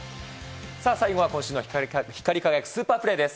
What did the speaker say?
さあ、最後は今週の光り輝くスーパープレーです。